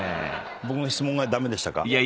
僕の質問が駄目でしたか？